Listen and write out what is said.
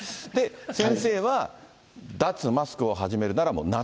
先生は、脱マスクを始めるなら夏。